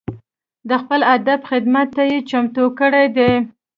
د خپل ادب خدمت ته یې چمتو کړي دي.